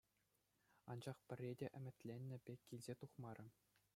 Анчах пӗрре те ӗмӗтленнӗ пек килсе тухмарӗ.